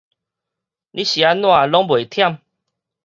你按怎攏袂忝